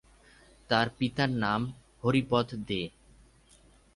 তার পিতার নাম হরিপদ দে।